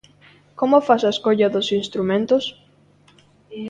Como fas a escolla dos instrumentos?